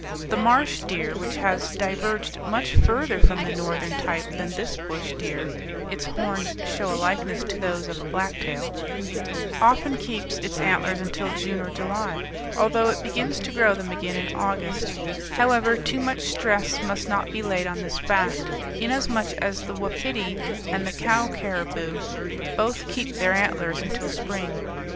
The marsh deer, which has diverged much further from the northern type than this bush deer (its horns show a likeness to those of a blacktail), often keeps its antlers until June or July, although it begins to grow them again in August; however, too much stress must not be laid on this fact, inasmuch as the wapiti and the cow caribou both keep their antlers until spring.